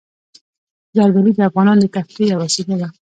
زردالو د افغانانو د تفریح یوه وسیله ده.